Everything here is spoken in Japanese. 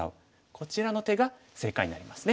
こちらの手が正解になりますね。